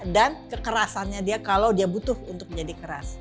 dan kekerasannya dia kalau dia butuh untuk menjadi keras